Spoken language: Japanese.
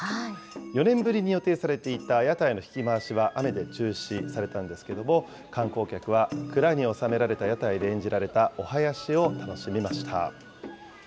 ４年ぶりに予定されていた屋台の曳き回しは雨で中止されたんですけれども、観光客は蔵に収められた屋台で演じられたお囃子を楽しみました。